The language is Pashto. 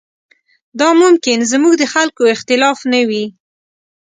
دا ممکن زموږ د خلکو اختلاف نه وي.